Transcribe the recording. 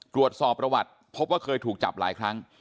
ตรวจสอบประวัติพบว่าเคยถูกจับหลายครั้ง